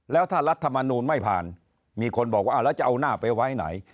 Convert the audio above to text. แล้วถ้ารัฐมนูลไม่ผ่านมีคนบอกว่าแล้วจะเอาหน้าไปไว้ไหน